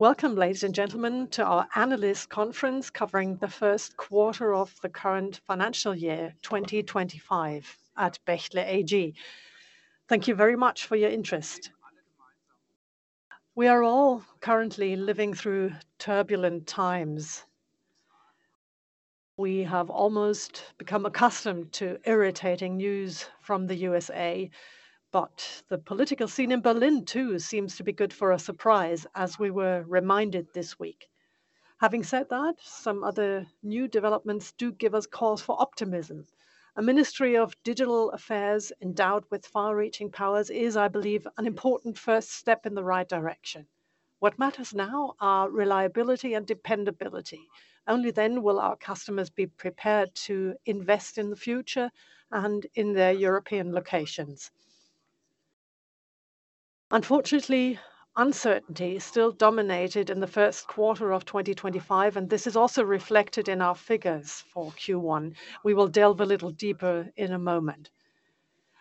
Welcome, ladies and gentlemen, to our Analyst Conference covering the first quarter of the current financial year, 2025, at Bechtle AG. Thank you very much for your interest. We are all currently living through turbulent times. We have almost become accustomed to irritating news from the U.S.A. , but the political scene in Berlin too seems to be good for a surprise, as we were reminded this week. Having said that, some other new developments do give us cause for optimism. A Ministry of Digital Affairs endowed with far-reaching powers is, I believe, an important first step in the right direction. What matters now are reliability and dependability. Only then will our customers be prepared to invest in the future and in their European locations. Unfortunately, uncertainty still dominated in the first quarter of 2025, and this is also reflected in our figures for Q1. We will delve a little deeper in a moment.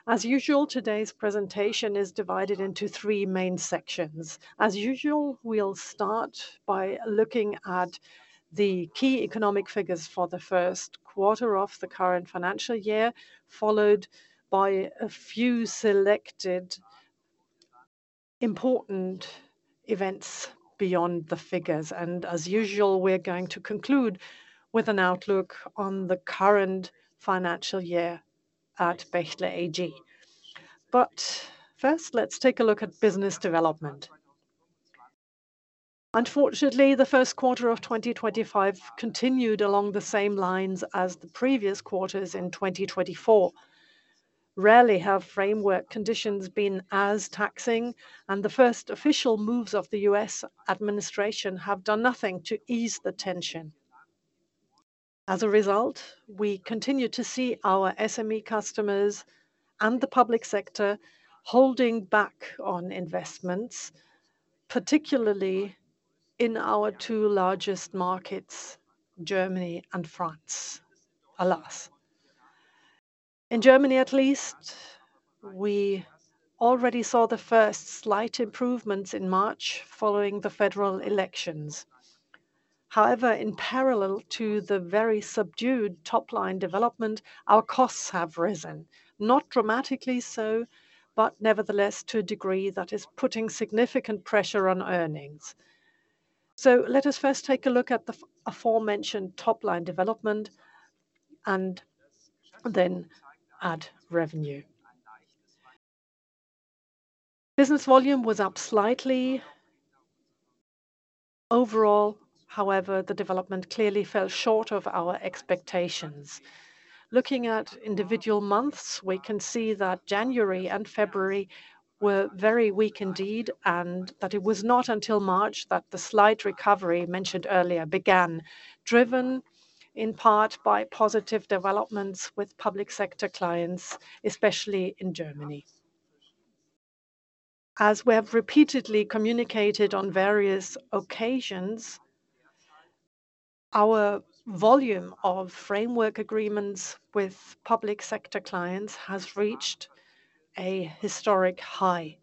As usual, today's presentation is divided into three main sections. As usual, we'll start by looking at the key economic figures for the first quarter of the current financial year, followed by a few selected important events beyond the figures. As usual, we're going to conclude with an outlook on the current financial year at Bechtle AG. First, let's take a look at business development. Unfortunately, the first quarter of 2025 continued along the same lines as the previous quarters in 2024. Rarely have framework conditions been as taxing, and the first official moves of the U.S. administration have done nothing to ease the tension. As a result, we continue to see our SME customers and the public sector holding back on investments, particularly in our two largest markets, Germany and France. Alas. In Germany, at least, we already saw the first slight improvements in March following the federal elections. However, in parallel to the very subdued top-line development, our costs have risen, not dramatically so, but nevertheless to a degree that is putting significant pressure on earnings. Let us first take a look at the aforementioned top-line development and then add revenue. Business volume was up slightly. Overall, however, the development clearly fell short of our expectations. Looking at individual months, we can see that January and February were very weak indeed, and that it was not until March that the slight recovery mentioned earlier began, driven in part by positive developments with public sector clients, especially in Germany. As we have repeatedly communicated on various occasions, our volume of framework agreements with public sector clients has reached a historic high.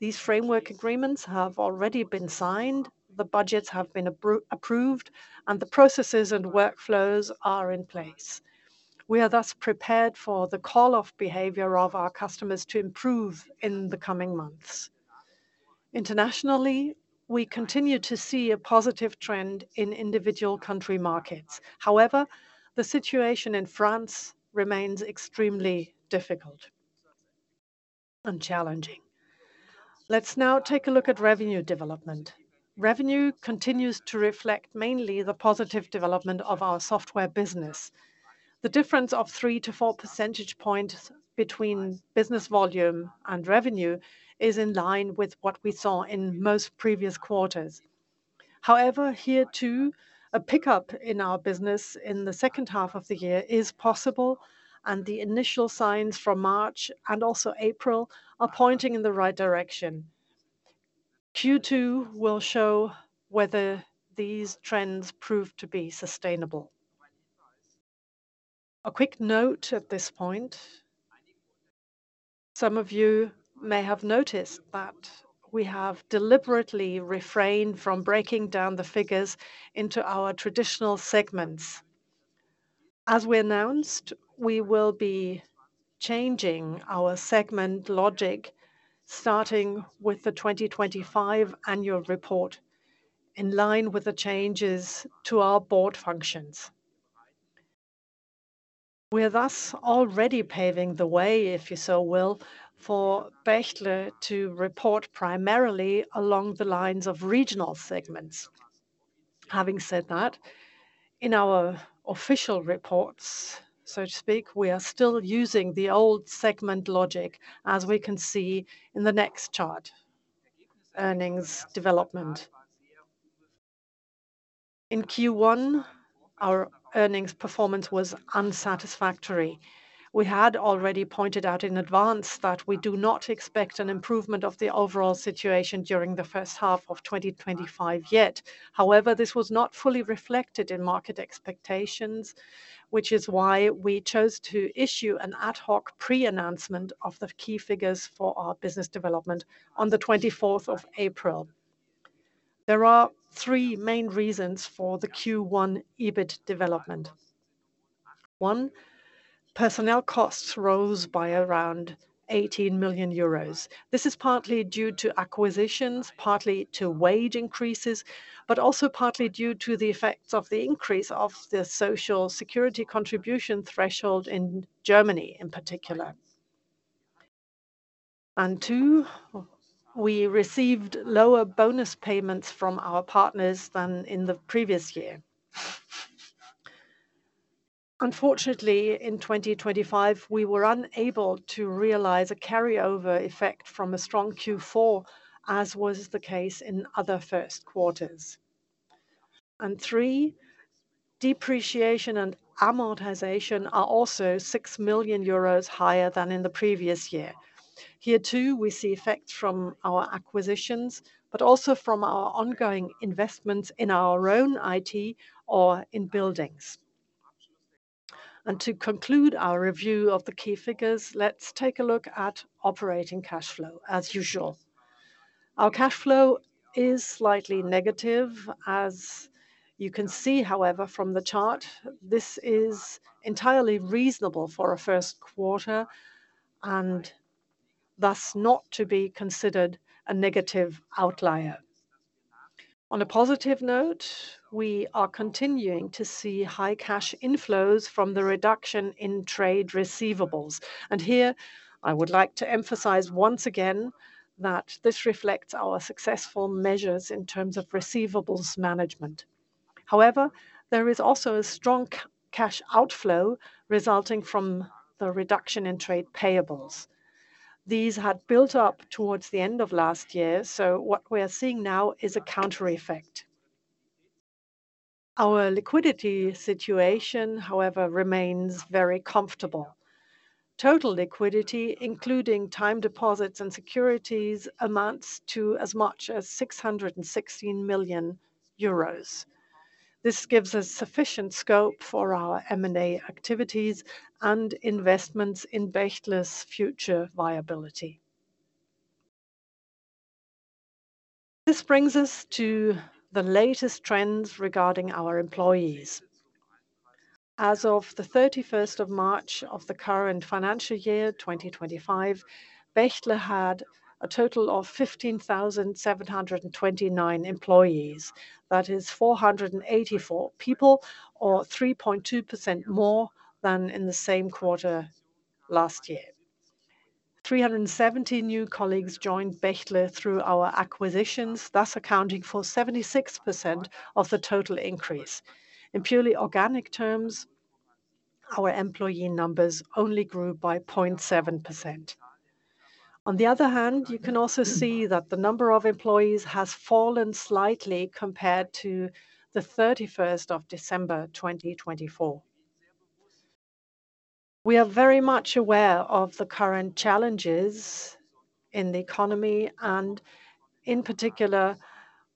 These framework agreements have already been signed, the budgets have been approved, and the processes and workflows are in place. We are thus prepared for the call-off behavior of our customers to improve in the coming months. Internationally, we continue to see a positive trend in individual country markets. However, the situation in France remains extremely difficult and challenging. Let's now take a look at revenue development. Revenue continues to reflect mainly the positive development of our software business. The difference of 3-4 percentage points between business volume and revenue is in line with what we saw in most previous quarters. However, here too, a pickup in our business in the second half of the year is possible, and the initial signs from March and also April are pointing in the right direction. Q2 will show whether these trends prove to be sustainable. A quick note at this point. Some of you may have noticed that we have deliberately refrained from breaking down the figures into our traditional segments. As we announced, we will be changing our segment logic, starting with the 2025 annual report, in line with the changes to our board functions. We are thus already paving the way, if you so will, for Bechtle to report primarily along the lines of regional segments. Having said that, in our official reports, so to speak, we are still using the old segment logic, as we can see in the next chart. Earnings development. In Q1, our earnings performance was unsatisfactory. We had already pointed out in advance that we do not expect an improvement of the overall situation during the first half of 2025 yet. However, this was not fully reflected in market expectations, which is why we chose to issue an ad hoc pre-announcement of the key figures for our business development on the 24th of April. There are three main reasons for the Q1 EBIT development. One, personnel costs rose by around 18 million euros. This is partly due to acquisitions, partly to wage increases, but also partly due to the effects of the increase of the Social Security contribution threshold in Germany, in particular. Two, we received lower bonus payments from our partners than in the previous year. Unfortunately, in 2025, we were unable to realize a carryover effect from a strong Q4, as was the case in other first quarters. Three, depreciation and amortization are also 6 million euros higher than in the previous year. Here too, we see effects from our acquisitions, but also from our ongoing investments in our own IT or in buildings. To conclude our review of the key figures, let's take a look at operating cash flow, as usual. Our cash flow is slightly negative, as you can see, however, from the chart. This is entirely reasonable for a first quarter and thus not to be considered a negative outlier. On a positive note, we are continuing to see high cash inflows from the reduction in trade receivables. Here, I would like to emphasize once again that this reflects our successful measures in terms of receivables management. However, there is also a strong cash outflow resulting from the reduction in trade payables. These had built up towards the end of last year, so what we are seeing now is a counter effect. Our liquidity situation, however, remains very comfortable. Total liquidity, including time deposits and securities, amounts to as much as 616 million euros. This gives us sufficient scope for our M&A activities and investments in Bechtle's future viability. This brings us to the latest trends regarding our employees. As of the 31st of March of the current financial year, 2025, Bechtle had a total of 15,729 employees. That is 484 people, or 3.2% more than in the same quarter last year. 370 new colleagues joined Bechtle through our acquisitions, thus accounting for 76% of the total increase. In purely organic terms, our employee numbers only grew by 0.7%. On the other hand, you can also see that the number of employees has fallen slightly compared to the 31st of December 2024. We are very much aware of the current challenges in the economy and, in particular,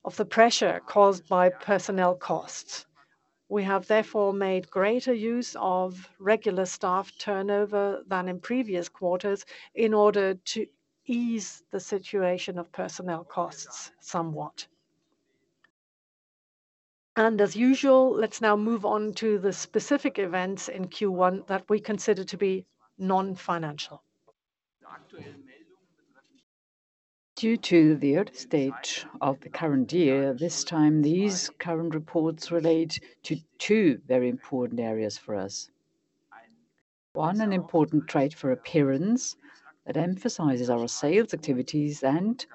of the pressure caused by personnel costs. We have therefore made greater use of regular staff turnover than in previous quarters in order to ease the situation of personnel costs somewhat. As usual, let's now move on to the specific events in Q1 that we consider to be non-financial. Due to the early stage of the current year, this time these current reports relate to two very important areas for us. One, an important trade fair appearance that emphasizes our sales activities and,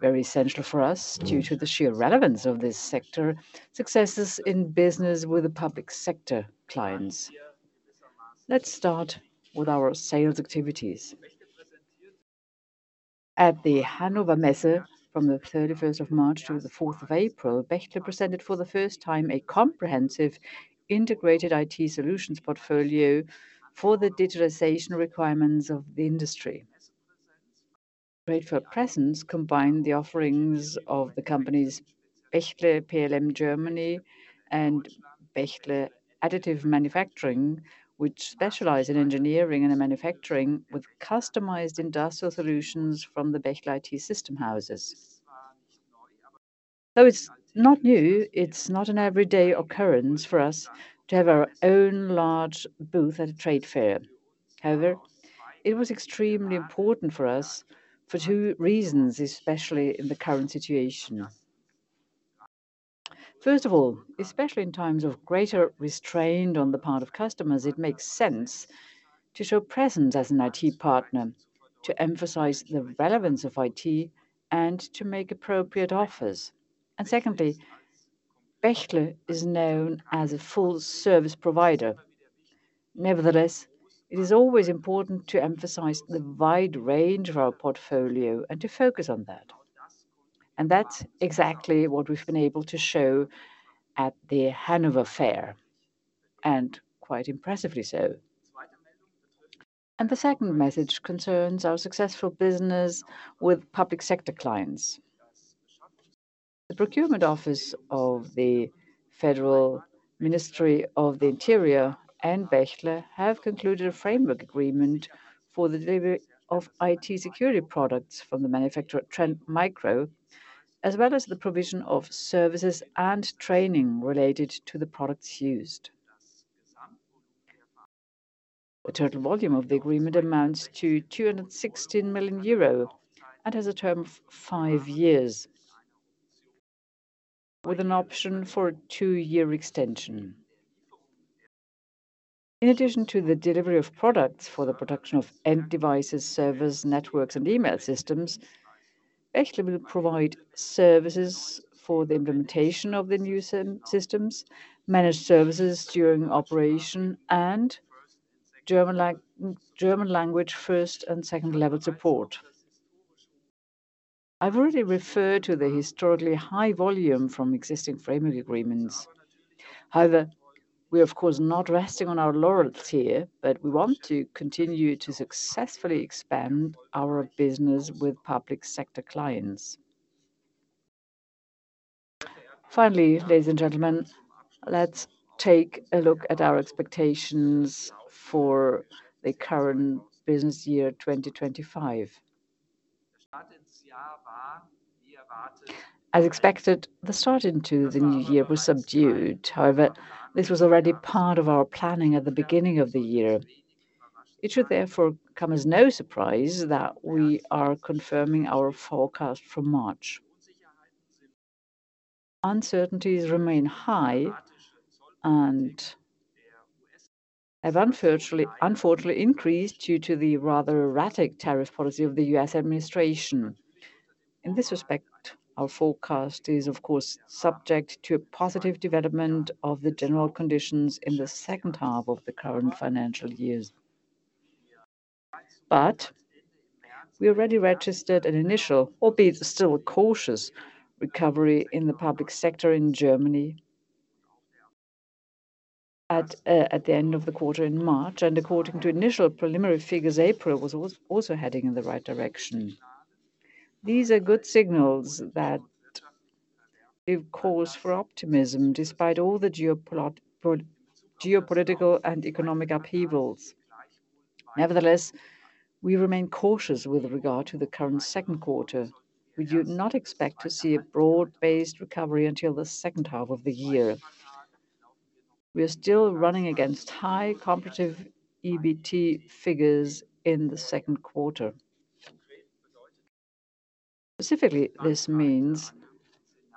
very essential for us due to the sheer relevance of this sector, successes in business with the public sector clients. Let's start with our sales activities. At the Hannover Messe from the 31st of March to the 4th of April, Bechtle presented for the first time a comprehensive integrated IT solutions portfolio for the digitization requirements of the industry. Bechtle presents combined the offerings of the companies Bechtle PLM Germany and Bechtle Additive Manufacturing, which specialize in engineering and manufacturing with customized industrial solutions from the Bechtle IT system houses. Though it is not new, it is not an everyday occurrence for us to have our own large booth at a trade fair. However, it was extremely important for us for two reasons, especially in the current situation. First of all, especially in times of greater restraint on the part of customers, it makes sense to show presence as an IT partner, to emphasize the relevance of IT, and to make appropriate offers. Secondly, Bechtle is known as a full-service provider. Nevertheless, it is always important to emphasize the wide range of our portfolio and to focus on that. That is exactly what we have been able to show at the Hannover Fair, and quite impressively so. The second message concerns our successful business with public sector clients. The procurement office of the Federal Ministry of the Interior and Bechtle have concluded a framework agreement for the delivery of IT security products from the manufacturer Trend Micro, as well as the provision of services and training related to the products used. The total volume of the agreement amounts to 216 million euro and has a term of five years, with an option for a two-year extension. In addition to the delivery of products for the production of end devices, servers, networks, and email systems, Bechtle will provide services for the implementation of the new systems, managed services during operation, and German language first and second-level support. I've already referred to the historically high volume from existing framework agreements. However, we are of course not resting on our laurels here, but we want to continue to successfully expand our business with public sector clients. Finally, ladies and gentlemen, let's take a look at our expectations for the current business year 2025. As expected, the start into the new year was subdued. However, this was already part of our planning at the beginning of the year. It should therefore come as no surprise that we are confirming our forecast for March. Uncertainties remain high and have unfortunately increased due to the rather erratic tariff policy of the U.S. administration. In this respect, our forecast is of course subject to a positive development of the general conditions in the second half of the current financial year. We already registered an initial, albeit still cautious, recovery in the public sector in Germany at the end of the quarter in March, and according to initial preliminary figures, April was also heading in the right direction. These are good signals that give cause for optimism despite all the geopolitical and economic upheavals. Nevertheless, we remain cautious with regard to the current second quarter. We do not expect to see a broad-based recovery until the second half of the year. We are still running against high competitive EBIT figures in the second quarter. Specifically, this means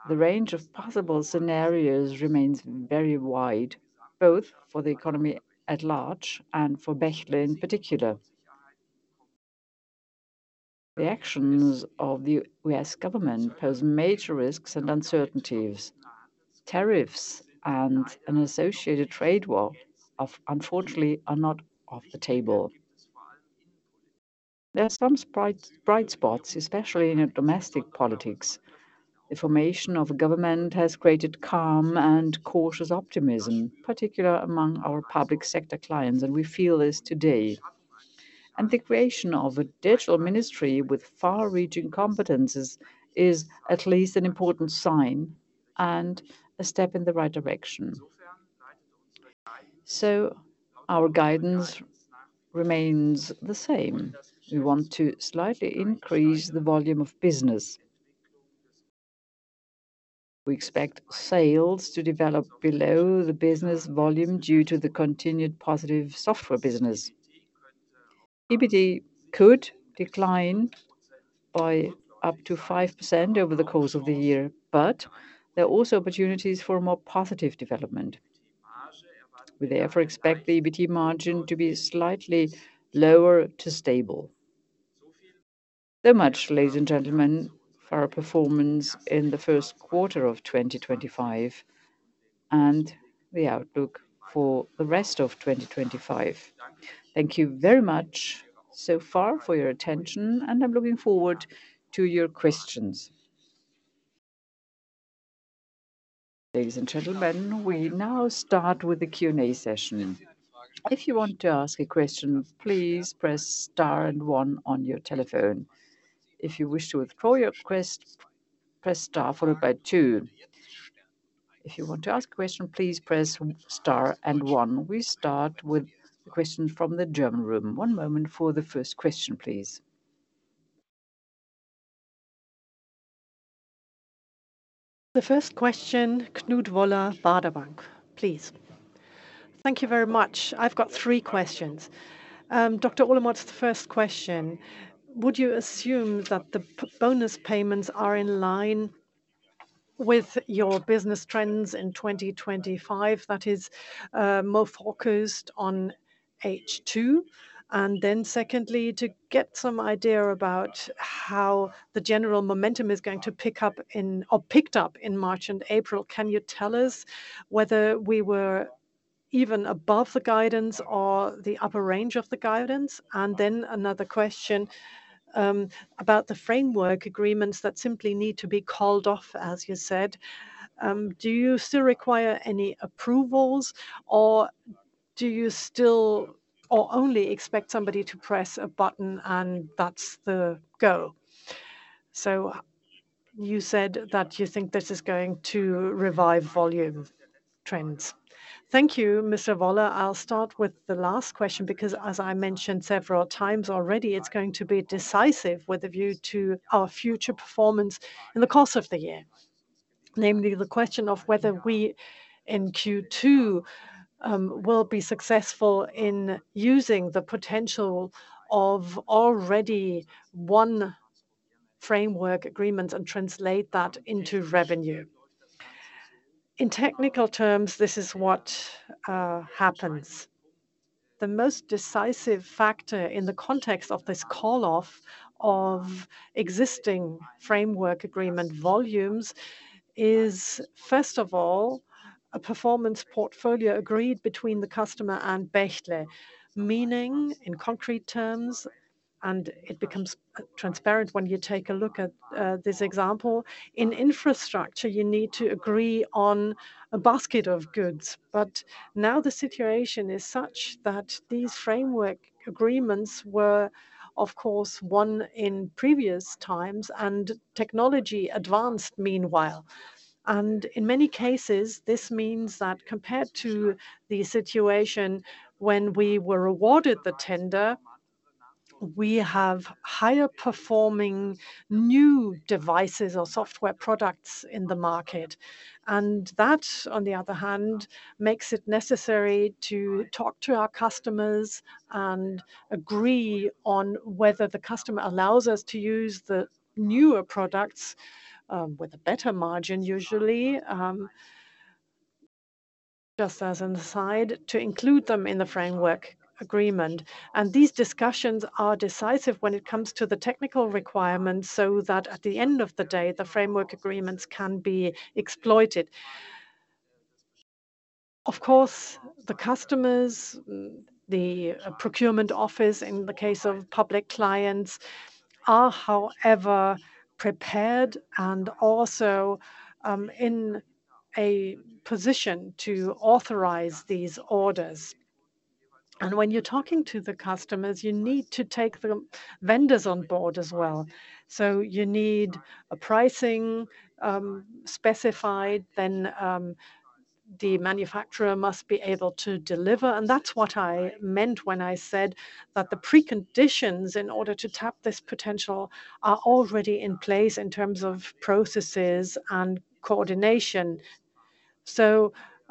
the range of possible scenarios remains very wide, both for the economy at large and for Bechtle in particular. The actions of the U.S. government pose major risks and uncertainties. Tariffs and an associated trade war, unfortunately, are not off the table. There are some bright spots, especially in domestic politics. The formation of a government has created calm and cautious optimism, particularly among our public sector clients, and we feel this today. The creation of a digital ministry with far-reaching competencies is at least an important sign and a step in the right direction. Our guidance remains the same. We want to slightly increase the volume of business. We expect sales to develop below the business volume due to the continued positive software business. EBIT could decline by up to 5% over the course of the year, but there are also opportunities for more positive development. We therefore expect the EBIT margin to be slightly lower to stable. So much, ladies and gentlemen, for our performance in the first quarter of 2025 and the outlook for the rest of 2025. Thank you very much so far for your attention, and I'm looking forward to your questions. Ladies and gentlemen, we now start with the Q&A session. If you want to ask a question, please press Star and One on your telephone. If you wish to withdraw your question, press Star followed by Two. If you want to ask a question, please press Star and One. We start with the question from the German room. One moment for the first question, please. The first question, Knut Wöller, Baader Bank, please. Thank you very much. I've got three questions. Dr. Olemotz, the first question. Would you assume that the bonus payments are in line with your business trends in 2025? That is more focused on H2. Secondly, to get some idea about how the general momentum is going to pick up in or picked up in March and April, can you tell us whether we were even above the guidance or the upper range of the guidance? Another question about the framework agreements that simply need to be called off, as you said. Do you still require any approvals, or do you still only expect somebody to press a button and that's the go? You said that you think this is going to revive volume trends. Thank you, Mr. Wöller. I'll start with the last question because, as I mentioned several times already, it's going to be decisive with a view to our future performance in the course of the year. Namely, the question of whether we in Q2 will be successful in using the potential of already one framework agreement and translate that into revenue. In technical terms, this is what happens. The most decisive factor in the context of this call-off of existing framework agreement volumes is, first of all, a performance portfolio agreed between the customer and Bechtle, meaning in concrete terms, and it becomes transparent when you take a look at this example. In infrastructure, you need to agree on a basket of goods. Now the situation is such that these framework agreements were, of course, won in previous times, and technology advanced meanwhile. In many cases, this means that compared to the situation when we were awarded the tender, we have higher performing new devices or software products in the market. That, on the other hand, makes it necessary to talk to our customers and agree on whether the customer allows us to use the newer products with a better margin, usually, just as an aside, to include them in the framework agreement. These discussions are decisive when it comes to the technical requirements so that at the end of the day, the framework agreements can be exploited. Of course, the customers, the procurement office in the case of public clients, are however prepared and also in a position to authorize these orders. When you're talking to the customers, you need to take the vendors on board as well. You need a pricing specified, then the manufacturer must be able to deliver. That is what I meant when I said that the preconditions in order to tap this potential are already in place in terms of processes and coordination.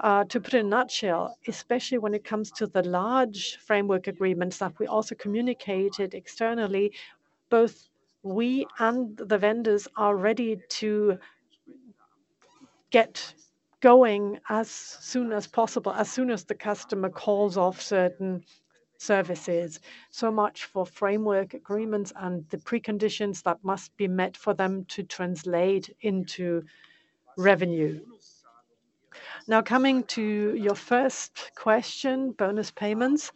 To put it in a nutshell, especially when it comes to the large framework agreements that we also communicated externally, both we and the vendors are ready to get going as soon as possible, as soon as the customer calls off certain services. That is it for framework agreements and the preconditions that must be met for them to translate into revenue. Now coming to your first question, bonus payments.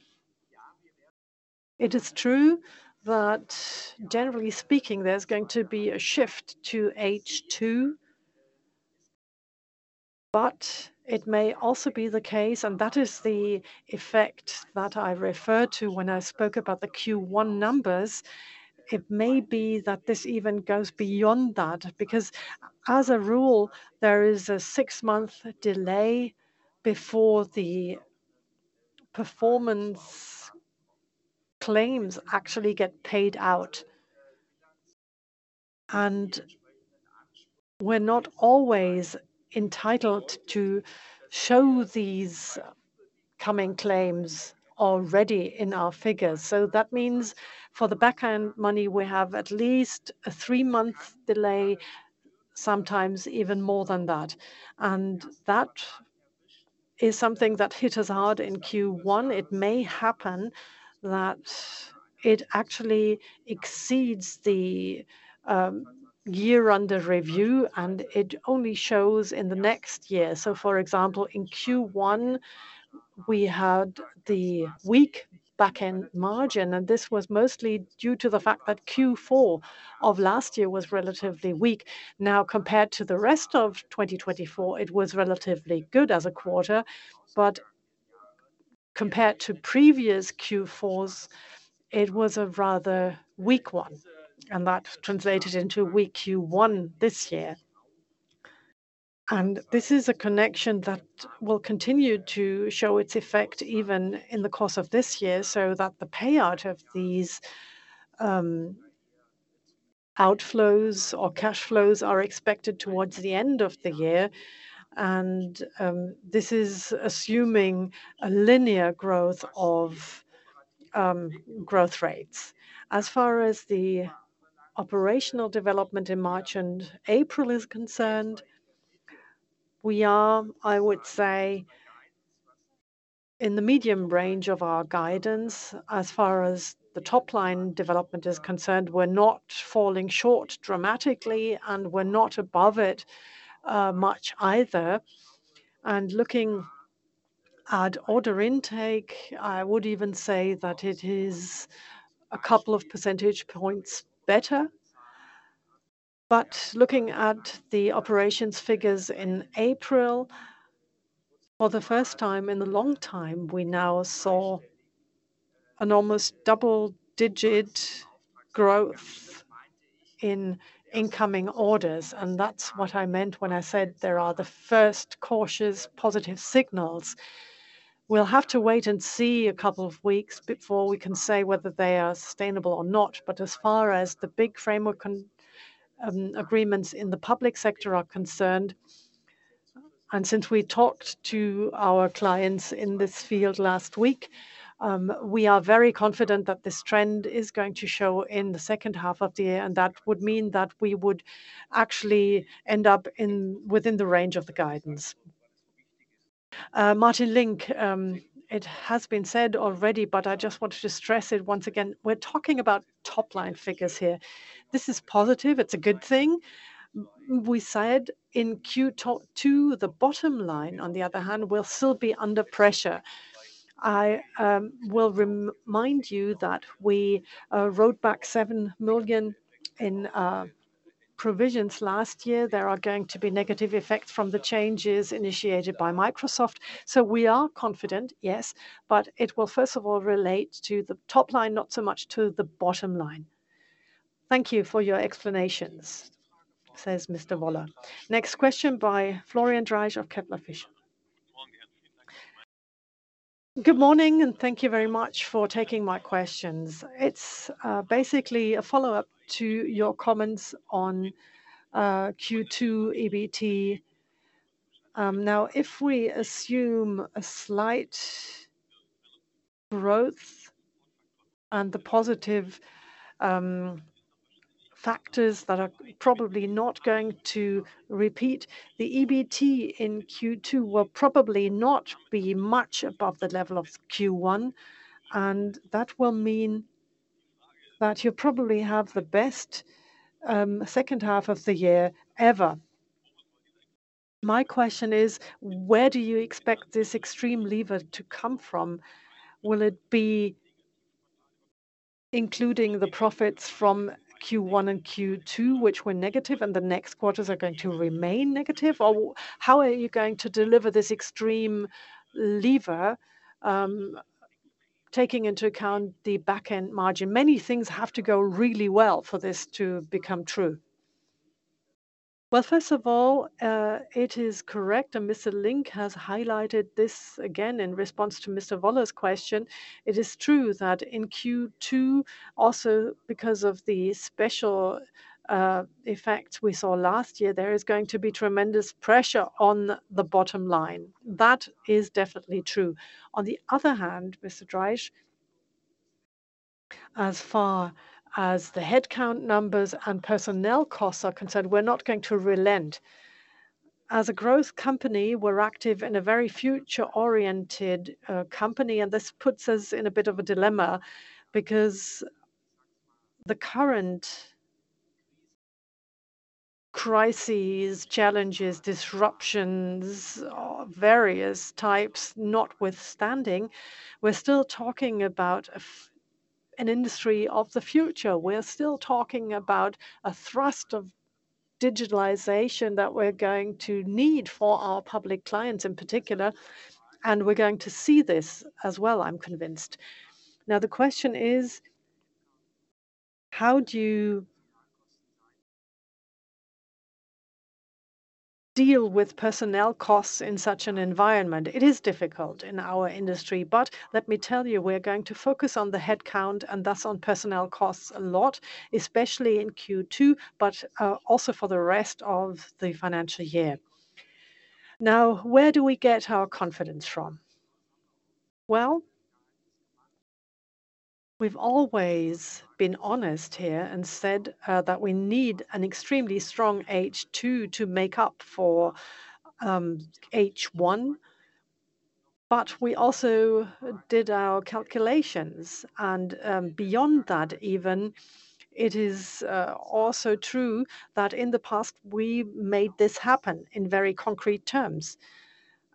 It is true that generally speaking, there is going to be a shift to H2, but it may also be the case, and that is the effect that I referred to when I spoke about the Q1 numbers. It may be that this even goes beyond that because, as a rule, there is a six-month delay before the performance claims actually get paid out. We are not always entitled to show these coming claims already in our figures. That means for the backend money, we have at least a three-month delay, sometimes even more than that. That is something that hit us hard in Q1. It may happen that it actually exceeds the year under review, and it only shows in the next year. For example, in Q1, we had the weak backend margin, and this was mostly due to the fact that Q4 of last year was relatively weak. Now, compared to the rest of 2024, it was relatively good as a quarter, but compared to previous Q4s, it was a rather weak one. That translated into weak Q1 this year. This is a connection that will continue to show its effect even in the course of this year so that the payout of these outflows or cash flows are expected towards the end of the year. This is assuming a linear growth of growth rates. As far as the operational development in March and April is concerned, we are, I would say, in the medium range of our guidance. As far as the top-line development is concerned, we're not falling short dramatically, and we're not above it much either. Looking at order intake, I would even say that it is a couple of percentage points better. Looking at the operations figures in April, for the first time in a long time, we now saw an almost double-digit growth in incoming orders. That is what I meant when I said there are the first cautious positive signals. will have to wait and see a couple of weeks before we can say whether they are sustainable or not. As far as the big framework agreements in the public sector are concerned, and since we talked to our clients in this field last week, we are very confident that this trend is going to show in the second half of the year, and that would mean that we would actually end up within the range of the guidance. Martin Link, it has been said already, but I just want to stress it once again. We are talking about top-line figures here. This is positive. It is a good thing. We said in Q2, the bottom line, on the other hand, will still be under pressure. I will remind you that we wrote back 7 million in provisions last year. There are going to be negative effects from the changes initiated by Microsoft. We are confident, yes, but it will, first of all, relate to the top line, not so much to the bottom line. Thank you for your explanations, says Mr. Wöller. Next question by Florian Draisch of Kepler Cheuvreux. Good morning, and thank you very much for taking my questions. It's basically a follow-up to your comments on Q2 EBIT. Now, if we assume a slight growth and the positive factors that are probably not going to repeat, the EBIT in Q2 will probably not be much above the level of Q1. That will mean that you'll probably have the best second half of the year ever. My question is, where do you expect this extreme lever to come from? Will it be including the profits from Q1 and Q2, which were negative, and the next quarters are going to remain negative? Or how are you going to deliver this extreme lever, taking into account the backend margin? Many things have to go really well for this to become true. First of all, it is correct, and Mr. Link has highlighted this again in response to Mr. Wöller's question. It is true that in Q2, also because of the special effect we saw last year, there is going to be tremendous pressure on the bottom line. That is definitely true. On the other hand, Ms. Treisch, as far as the headcount numbers and personnel costs are concerned, we're not going to relent. As a growth company, we're active in a very future-oriented company, and this puts us in a bit of a dilemma because the current crises, challenges, disruptions of various types notwithstanding, we're still talking about an industry of the future. We're still talking about a thrust of digitalization that we're going to need for our public clients in particular, and we're going to see this as well, I'm convinced. Now, the question is, how do you deal with personnel costs in such an environment? It is difficult in our industry, but let me tell you, we're going to focus on the headcount and thus on personnel costs a lot, especially in Q2, but also for the rest of the financial year. Now, where do we get our confidence from? We have always been honest here and said that we need an extremely strong H2 to make up for H1, but we also did our calculations. Beyond that, even, it is also true that in the past, we made this happen in very concrete terms.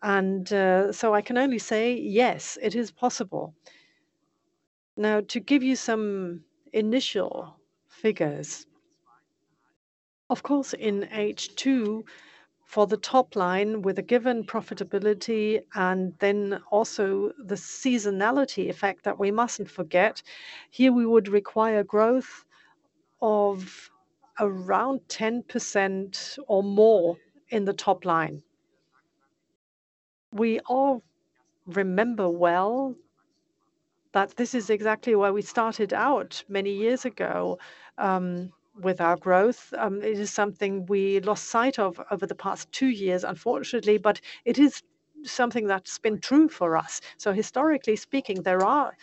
I can only say, yes, it is possible. Now, to give you some initial figures, of course, in H2, for the top line with a given profitability and then also the seasonality effect that we must not forget, here we would require growth of around 10% or more in the top line. We all remember well that this is exactly where we started out many years ago with our growth. It is something we lost sight of over the past two years, unfortunately, but it is something that has been true for us. Historically speaking, there are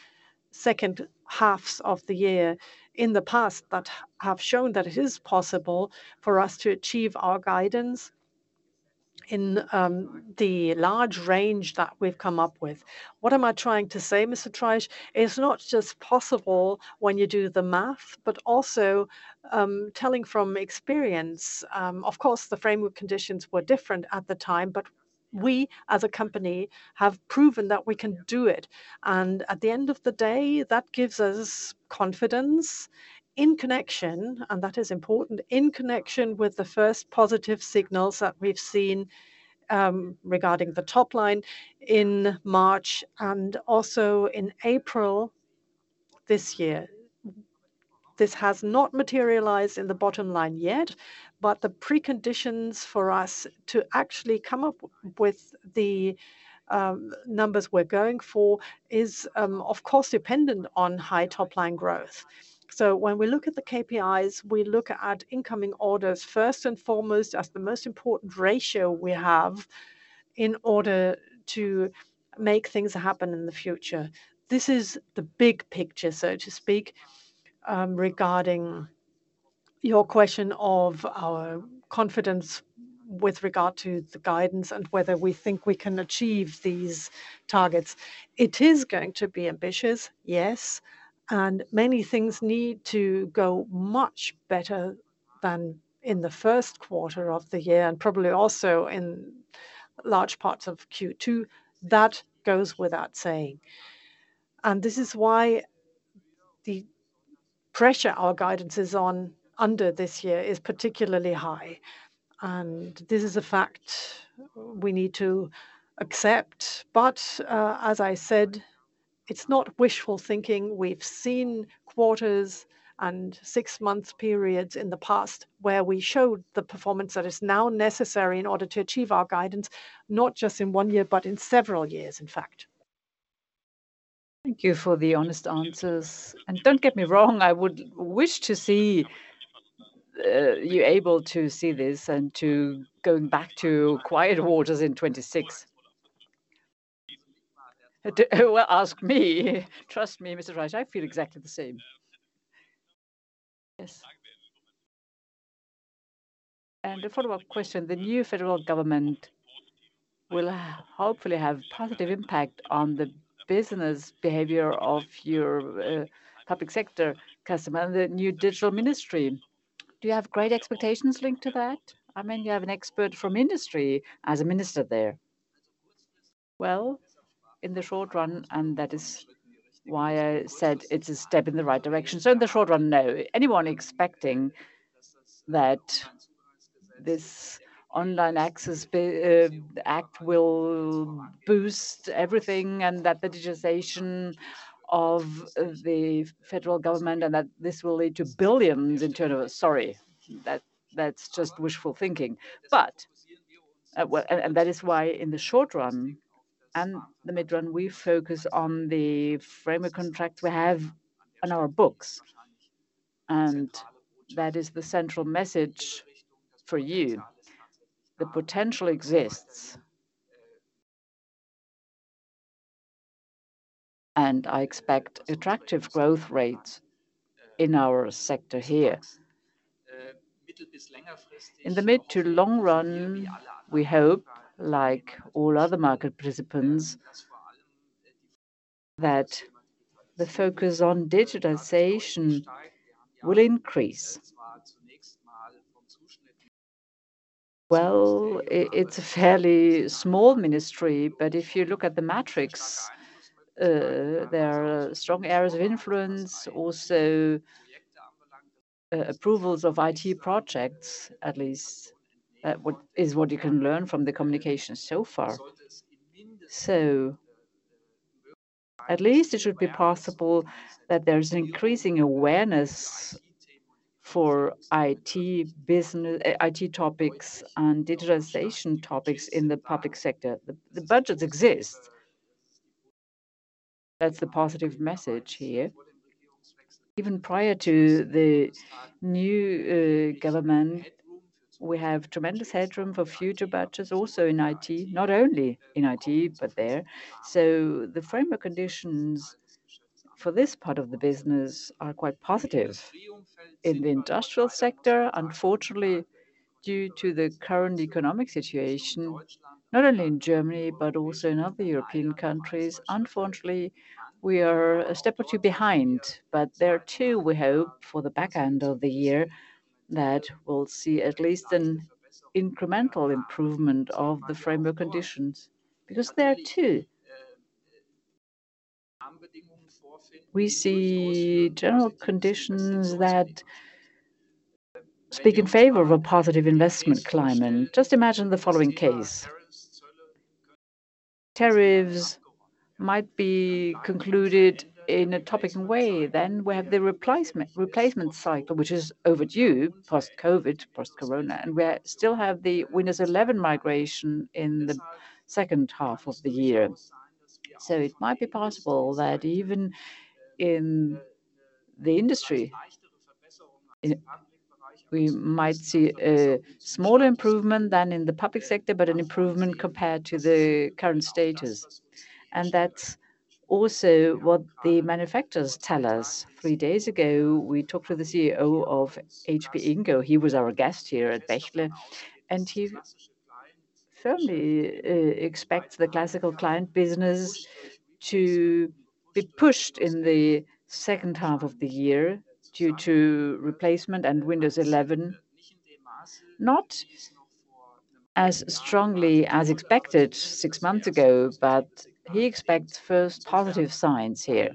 second halves of the year in the past that have shown that it is possible for us to achieve our guidance in the large range that we have come up with. What am I trying to say, Ms. Treisch? It is not just possible when you do the math, but also telling from experience. Of course, the framework conditions were different at the time, but we as a company have proven that we can do it. At the end of the day, that gives us confidence in connection, and that is important, in connection with the first positive signals that we have seen regarding the top line in March and also in April this year. This has not materialized in the bottom line yet, but the preconditions for us to actually come up with the numbers we are going for is, of course, dependent on high top-line growth. When we look at the KPIs, we look at incoming orders first and foremost as the most important ratio we have in order to make things happen in the future. This is the big picture, so to speak, regarding your question of our confidence with regard to the guidance and whether we think we can achieve these targets. It is going to be ambitious, yes, and many things need to go much better than in the first quarter of the year and probably also in large parts of Q2. That goes without saying. This is why the pressure our guidance is under this year is particularly high. This is a fact we need to accept. As I said, it's not wishful thinking. We've seen quarters and six-month periods in the past where we showed the performance that is now necessary in order to achieve our guidance, not just in one year, but in several years, in fact. Thank you for the honest answers. And don't get me wrong, I would wish to see you able to see this and to go back to quiet waters in 2026. Ask me. Trust me, Ms. Treisch, I feel exactly the same. Yes. A follow-up question. The new federal government will hopefully have a positive impact on the business behavior of your public sector customer and the new digital ministry. Do you have great expectations linked to that? I mean, you have an expert from industry as a minister there. In the short run, and that is why I said it's a step in the right direction. In the short run, no. Anyone expecting that this online access act will boost everything and that the digitization of the federal government and that this will lead to billions in turnovers? Sorry, that's just wishful thinking. That is why in the short run and the mid-run, we focus on the framework contract we have on our books. That is the central message for you. The potential exists. I expect attractive growth rates in our sector here. In the mid to long run, we hope, like all other market participants, that the focus on digitization will increase. It is a fairly small ministry, but if you look at the matrix, there are strong areas of influence, also approvals of IT projects, at least, is what you can learn from the communications so far. At least it should be possible that there's an increasing awareness for IT topics and digitization topics in the public sector. The budgets exist. That's the positive message here. Even prior to the new government, we have tremendous headroom for future budgets also in IT, not only in IT, but there. The framework conditions for this part of the business are quite positive. In the industrial sector, unfortunately, due to the current economic situation, not only in Germany, but also in other European countries, unfortunately, we are a step or two behind. There too, we hope for the back end of the year that we'll see at least an incremental improvement of the framework conditions. Because there too, we see general conditions that speak in favor of a positive investment climate. Just imagine the following case. Tariffs might be concluded in a topical way. We have the replacement cycle, which is overdue post-COVID, post-Corona, and we still have the Windows 11 migration in the second half of the year. It might be possible that even in the industry, we might see a smaller improvement than in the public sector, but an improvement compared to the current status. That is also what the manufacturers tell us. Three days ago, we talked to the CEO of HP Inc. He was our guest here at Bechtle, and he firmly expects the classical client business to be pushed in the second half of the year due to replacement and Windows 11, not as strongly as expected six months ago, but he expects first positive signs here.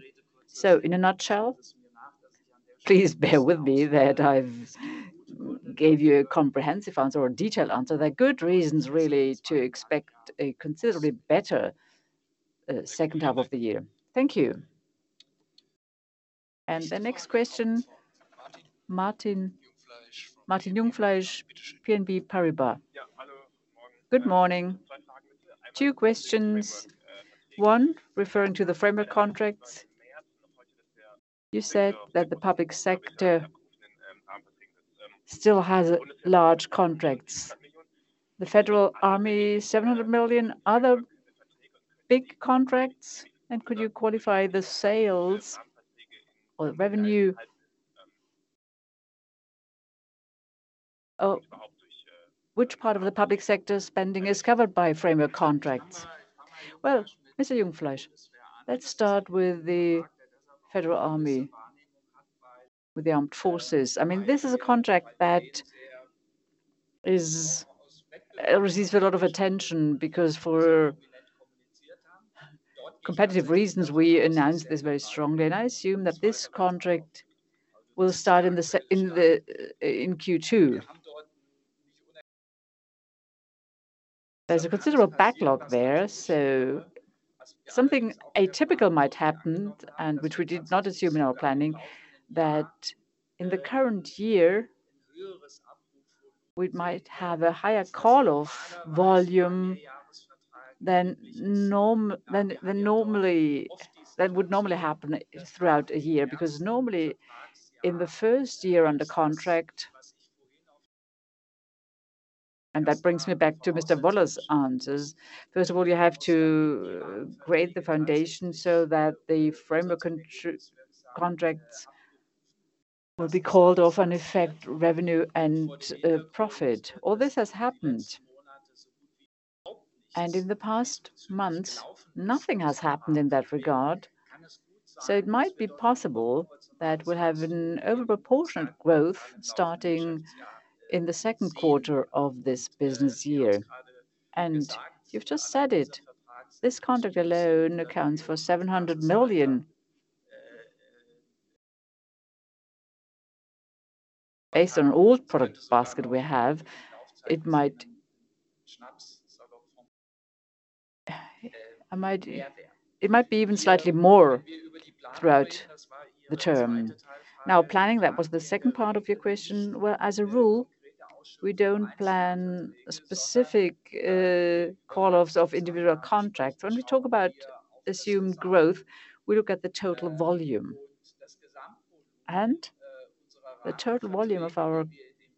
In a nutshell, please bear with me that I have given you a comprehensive answer or a detailed answer. There are good reasons really to expect a considerably better second half of the year. Thank you. The next question, Martin Jungfleisch, BNP Paribas. Good morning. Two questions. One, referring to the framework contracts. You said that the public sector still has large contracts. The federal army, 700 million, other big contracts. Could you qualify the sales or the revenue? Which part of the public sector spending is covered by framework contracts? Mr. Jungfleisch, let's start with the federal army, with the armed forces. I mean, this is a contract that receives a lot of attention because for competitive reasons, we announced this very strongly. I assume that this contract will start in Q2. There's a considerable backlog there. Something atypical might happen, which we did not assume in our planning, that in the current year, we might have a higher call-off volume than would normally happen throughout a year. Normally, in the first year under contract, and that brings me back to Mr. Wöller's answers, first of all, you have to grade the foundation so that the framework contracts will be called off and affect revenue and profit. All this has happened. In the past months, nothing has happened in that regard. It might be possible that we'll have an overproportionate growth starting in the second quarter of this business year. You've just said it. This contract alone accounts for 700 million. Based on all product basket we have, it might be even slightly more throughout the term. Now, planning, that was the second part of your question. As a rule, we do not plan specific call-offs of individual contracts. When we talk about assumed growth, we look at the total volume. The total volume of our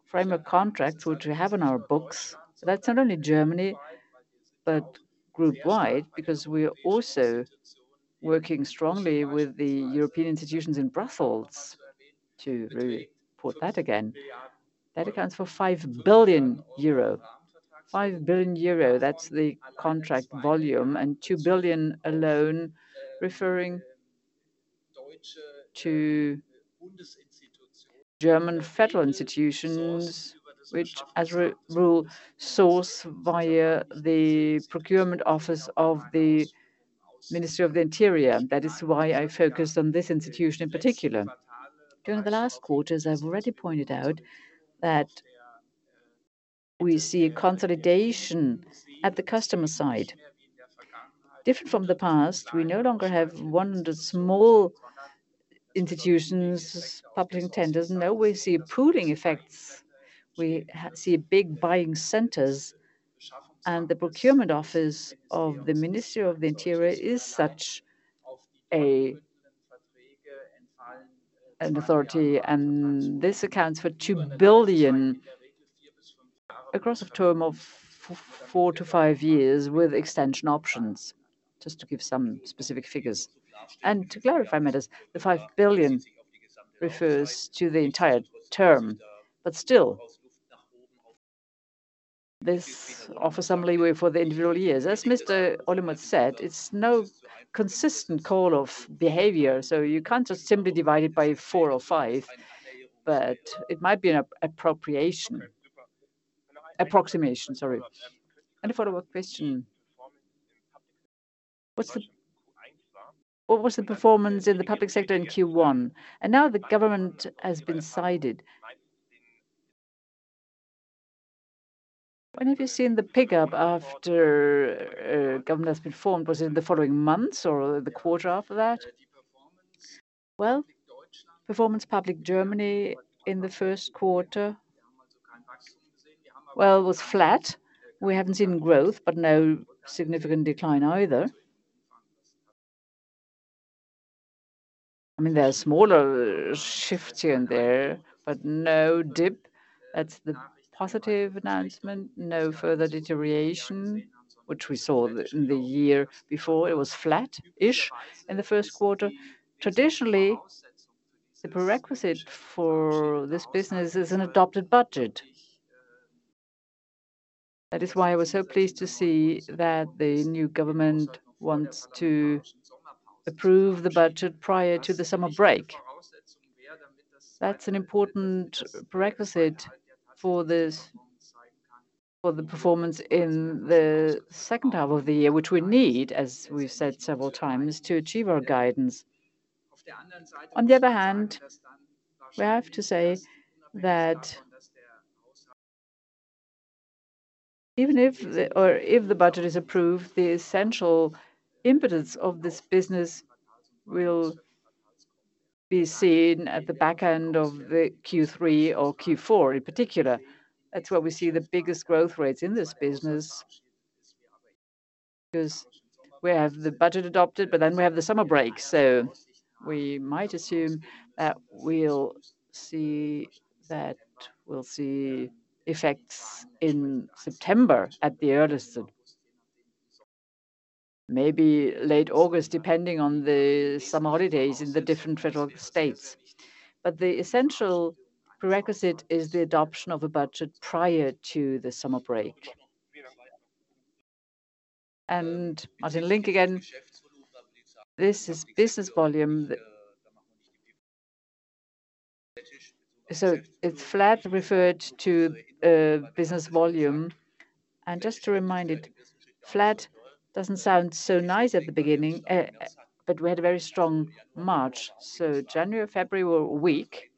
framework contracts, which we have in our books, is not only Germany, but group-wide, because we are also working strongly with the European institutions in Brussels to report that again. That accounts for 5 billion euro. 5 billion euro, that is the contract volume. 2 billion alone refers to German federal institutions, which as a rule source via the procurement office of the Ministry of the Interior. That is why I focused on this institution in particular. During the last quarters, I have already pointed out that we see a consolidation at the customer side. Different from the past, we no longer have 100 small institutions, public tenders. No, we see pooling effects. We see big buying centers. The procurement office of the Ministry of the Interior is such an authority. This accounts for 2 billion across a term of four to five years with extension options, just to give some specific figures. To clarify matters, the 5 billion refers to the entire term. This offers some leeway for the individual years. As Mr. Olemotz said, it is no consistent call-off behavior. You cannot just simply divide it by four or five. It might be an approximation, sorry. A follow-up question: What was the performance in the public sector in Q1? Now the government has been cited. When have you seen the pickup after government has been formed? Was it in the following months or the quarter after that? Performance public Germany in the first quarter was flat. We have not seen growth, but no significant decline either. I mean, there are smaller shifts here and there, but no dip. That's the positive announcement. No further deterioration, which we saw in the year before. It was flat-ish in the first quarter. Traditionally, the prerequisite for this business is an adopted budget. That is why I was so pleased to see that the new government wants to approve the budget prior to the summer break. That's an important prerequisite for the performance in the second half of the year, which we need, as we've said several times, to achieve our guidance. On the other hand, we have to say that even if the budget is approved, the essential impetus of this business will be seen at the back end of Q3 or Q4 in particular. That's where we see the biggest growth rates in this business. Because we have the budget adopted, but then we have the summer break. We might assume that we'll see effects in September at the earliest, maybe late August, depending on the summer holidays in the different federal states. The essential prerequisite is the adoption of a budget prior to the summer break. Martin Link again, this is business volume. It's flat referred to business volume. Just to remind it, flat doesn't sound so nice at the beginning, but we had a very strong March. January, February were a week.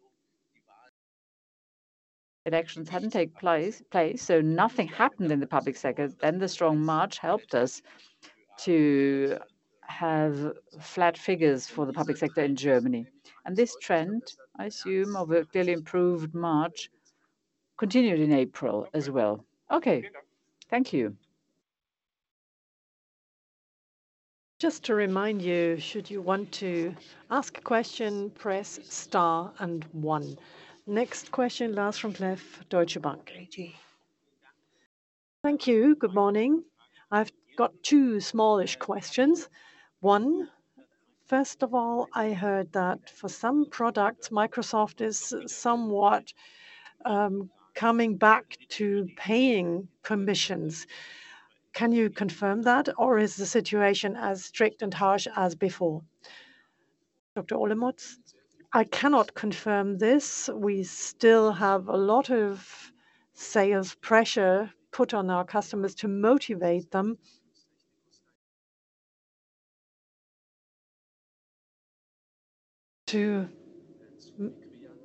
Elections hadn't taken place, so nothing happened in the public sector. The strong March helped us to have flat figures for the public sector in Germany. This trend, I assume, of a clearly improved March continued in April as well. Okay, thank you. Just to remind you, should you want to ask a question, press star and one. Next question last from Klaff, Deutsche Bank. Thank you. Good morning. I've got two smallish questions. One, first of all, I heard that for some products, Microsoft is somewhat coming back to paying commissions. Can you confirm that, or is the situation as strict and harsh as before? Dr. Olemotz, I cannot confirm this. We still have a lot of sales pressure put on our customers to motivate them to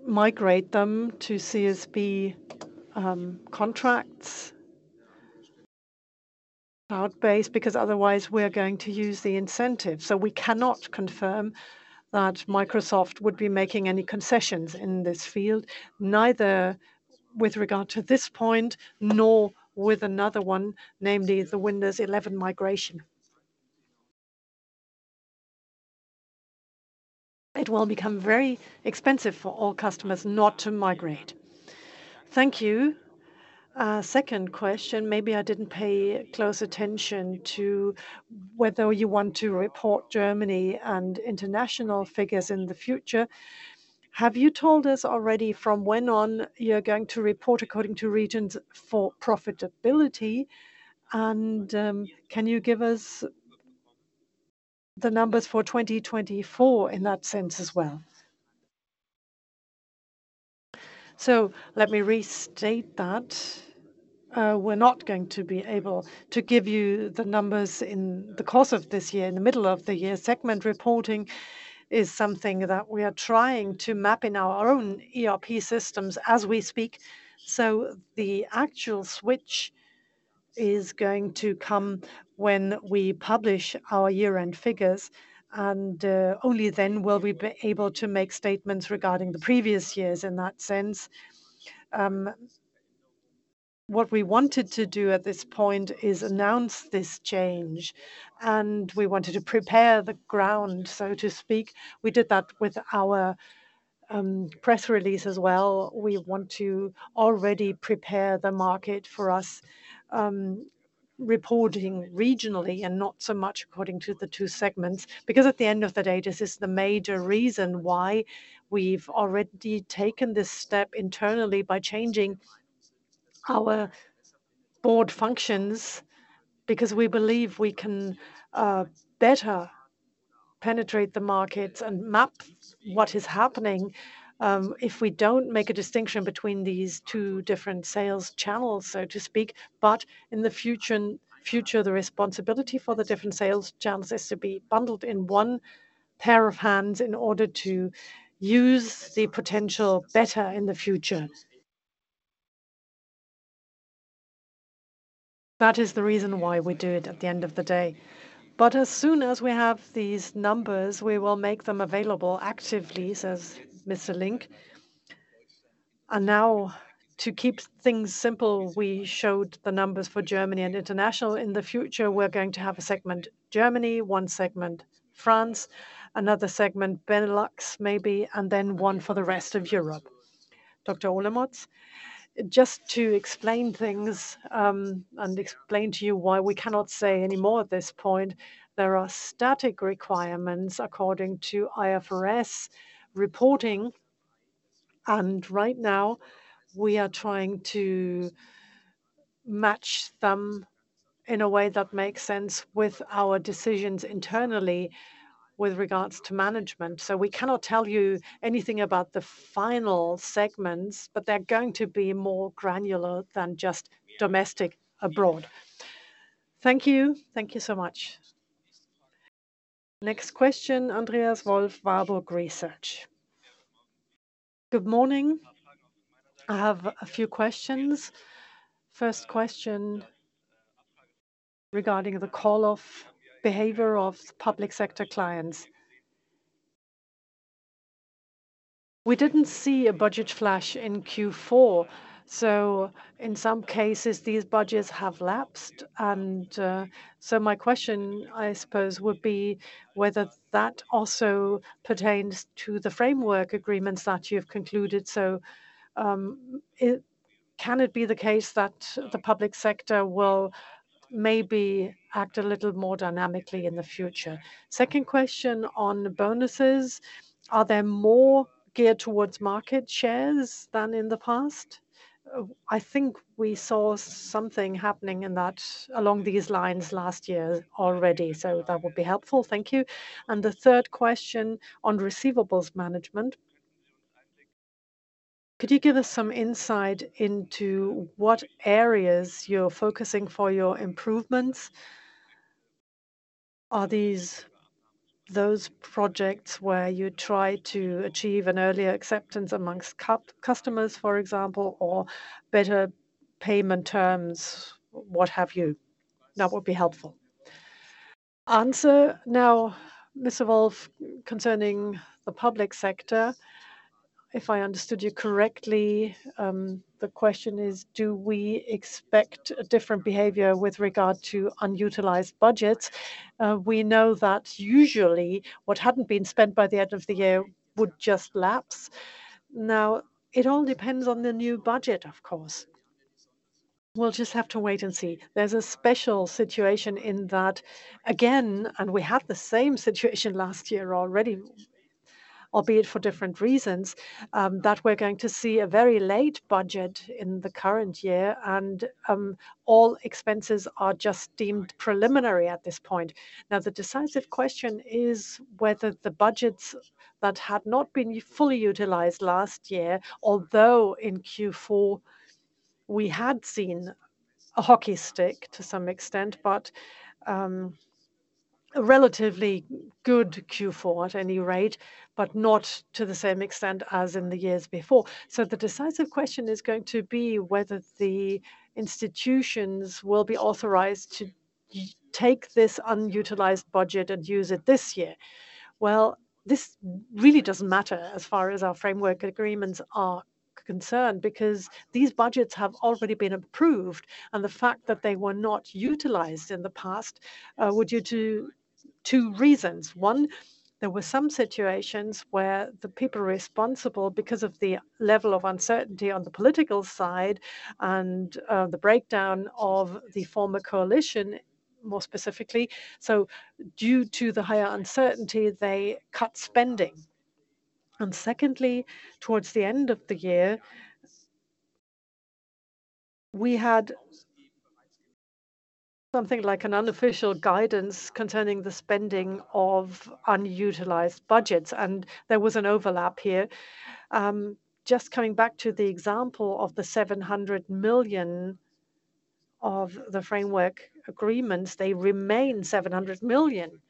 migrate them to CSP contracts, cloud-based, because otherwise we're going to lose the incentive. So we cannot confirm that Microsoft would be making any concessions in this field, neither with regard to this point nor with another one, namely the Windows 11 migration. It will become very expensive for all customers not to migrate. Thank you. Second question, maybe I didn't pay close attention to whether you want to report Germany and international figures in the future. Have you told us already from when on you're going to report according to regions for profitability? And can you give us the numbers for 2024 in that sense as well? Let me restate that. We're not going to be able to give you the numbers in the course of this year. In the middle of the year, segment reporting is something that we are trying to map in our own ERP systems as we speak. The actual switch is going to come when we publish our year-end figures. Only then will we be able to make statements regarding the previous years in that sense. What we wanted to do at this point is announce this change. We wanted to prepare the ground, so to speak. We did that with our press release as well. We want to already prepare the market for us reporting regionally and not so much according to the two segments. Because at the end of the day, this is the major reason why we've already taken this step internally by changing our board functions, because we believe we can better penetrate the markets and map what is happening if we don't make a distinction between these two different sales channels, so to speak. In the future, the responsibility for the different sales channels is to be bundled in one pair of hands in order to use the potential better in the future. That is the reason why we do it at the end of the day. As soon as we have these numbers, we will make them available actively, says Mr. Link. Now, to keep things simple, we showed the numbers for Germany and international. In the future, we're going to have a segment Germany, one segment France, another segment Benelux maybe, and then one for the rest of Europe. Dr. Olemotz, just to explain things and explain to you why we cannot say anymore at this point, there are static requirements according to IFRS reporting. Right now, we are trying to match them in a way that makes sense with our decisions internally with regards to management. We cannot tell you anything about the final segments, but they're going to be more granular than just domestic abroad. Thank you. Thank you so much. Next question, Andreas Wolf, Warburg Research. Good morning. I have a few questions. First question regarding the call-off behavior of public sector clients. We didn't see a budget flash in Q4. In some cases, these budgets have lapsed. My question, I suppose, would be whether that also pertains to the framework agreements that you have concluded. Can it be the case that the public sector will maybe act a little more dynamically in the future? Second question on bonuses. Are they more geared towards market shares than in the past? I think we saw something happening along these lines last year already. That would be helpful. Thank you. The third question on receivables management. Could you give us some insight into what areas you're focusing for your improvements? Are these those projects where you try to achieve an earlier acceptance amongst customers, for example, or better payment terms, what have you? That would be helpful. Answer now, Mr. Wolf, concerning the public sector. If I understood you correctly, the question is, do we expect a different behavior with regard to unutilized budgets? We know that usually what had not been spent by the end of the year would just lapse. Now, it all depends on the new budget, of course. We'll just have to wait and see. There is a special situation in that, again, and we had the same situation last year already, albeit for different reasons, that we are going to see a very late budget in the current year. All expenses are just deemed preliminary at this point. Now, the decisive question is whether the budgets that had not been fully utilized last year, although in Q4 we had seen a hockey stick to some extent, but a relatively good Q4 at any rate, but not to the same extent as in the years before. The decisive question is going to be whether the institutions will be authorized to take this unutilized budget and use it this year. This really does not matter as far as our framework agreements are concerned, because these budgets have already been approved. The fact that they were not utilized in the past would be due to two reasons. One, there were some situations where the people responsible, because of the level of uncertainty on the political side and the breakdown of the former coalition, more specifically, so due to the higher uncertainty, they cut spending. Secondly, towards the end of the year, we had something like an unofficial guidance concerning the spending of unutilized budgets. There was an overlap here. Just coming back to the example of the 700 million of the framework agreements, they remain 700 million.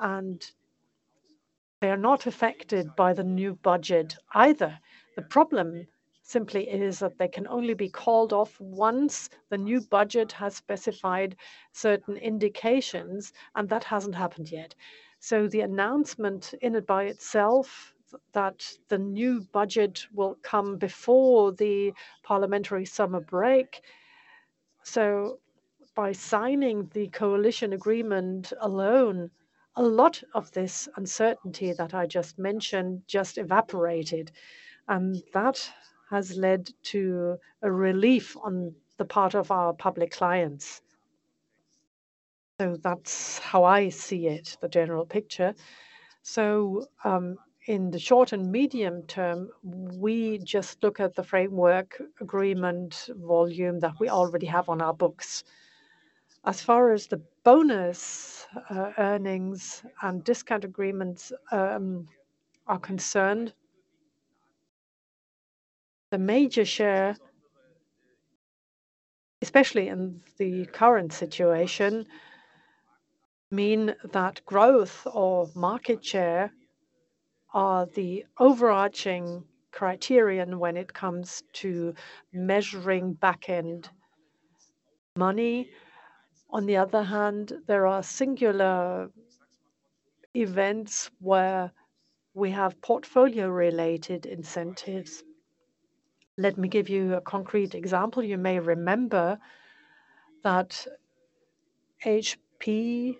They are not affected by the new budget either. The problem simply is that they can only be called off once the new budget has specified certain indications. That has not happened yet. The announcement in it by itself that the new budget will come before the parliamentary summer break, by signing the coalition agreement alone, a lot of this uncertainty that I just mentioned just evaporated. That has led to a relief on the part of our public clients. That is how I see it, the general picture. In the short and medium term, we just look at the framework agreement volume that we already have on our books. As far as the bonus earnings and discount agreements are concerned, the major share, especially in the current situation, mean that growth or market share are the overarching criterion when it comes to measuring back-end money. On the other hand, there are singular events where we have portfolio-related incentives. Let me give you a concrete example. You may remember that HP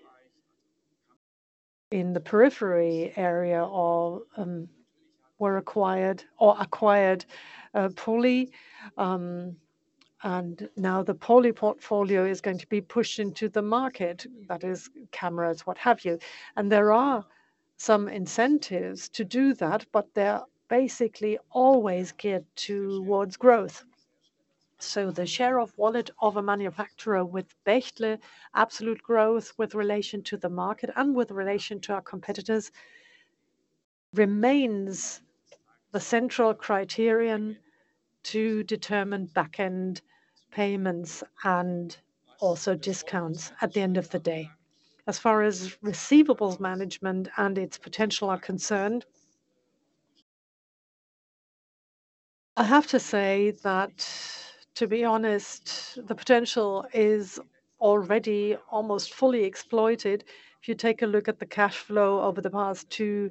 in the periphery area were acquired poorly. Now the poorly portfolio is going to be pushed into the market, that is, cameras, what have you. There are some incentives to do that, but they're basically always geared towards growth. The share of wallet of a manufacturer with Bechtle, absolute growth with relation to the market and with relation to our competitors, remains the central criterion to determine back-end payments and also discounts at the end of the day. As far as receivables management and its potential are concerned, I have to say that, to be honest, the potential is already almost fully exploited. If you take a look at the cash flow over the past two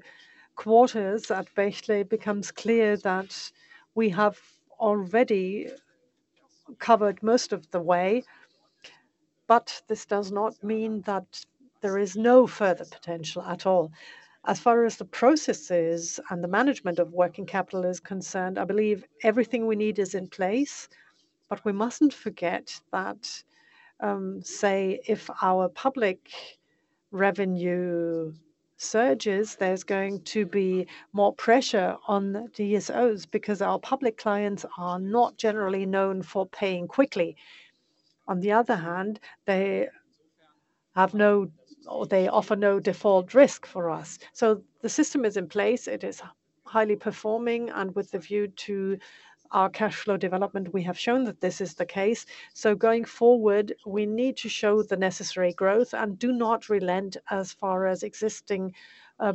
quarters at Bechtle, it becomes clear that we have already covered most of the way. This does not mean that there is no further potential at all. As far as the processes and the management of working capital is concerned, I believe everything we need is in place. We must not forget that, say, if our public revenue surges, there is going to be more pressure on DSOs because our public clients are not generally known for paying quickly. On the other hand, they offer no default risk for us. The system is in place. It is highly performing. With the view to our cash flow development, we have shown that this is the case. Going forward, we need to show the necessary growth and do not relent as far as existing